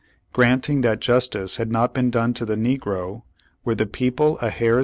Granting that justice had not been done to the negro, were the people a hair's = The Liberator